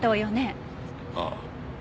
ああ。